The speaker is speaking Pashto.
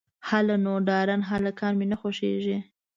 _هله نو، ډارن هلکان مې نه خوښېږي.